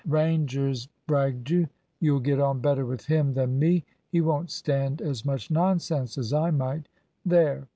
"Ranger's bagged you you'll get on better with him than me. He won't stand as much nonsense as I might. There!